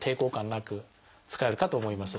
なく使えるかと思います。